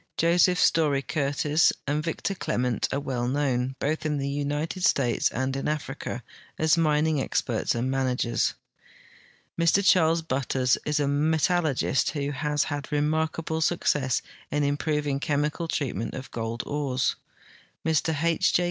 Joseph Story Curtis, and Victor Clement are well known, both in the United States and in Africa, as mining experts and managers ; Mr Charles Butters is a metal lurgist who has had remarkable success in improving the chem ical treatment of gold ores; Mr H.